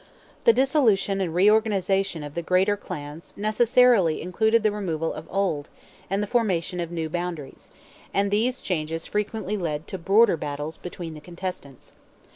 The dissolution and reorganization of the greater clans necessarily included the removal of old, and the formation of new boundaries, and these changes frequently led to border battles between the contestants.